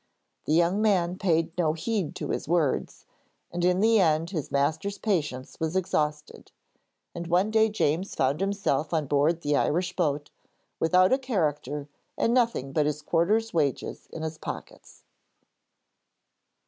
The young man paid no heed to his words, and in the end his master's patience was exhausted, and one day James found himself on board the Irish boat, without a character and nothing but his quarter's wages in his pockets.